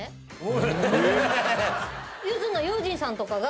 ゆずの悠仁さんとかが。